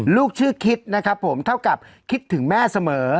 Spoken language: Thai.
ลูกชื่อคิดนะครับผมเท่ากับคิดถึงแม่เสมอ